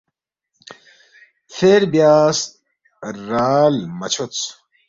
فیر بیاس، رال مہ چھودس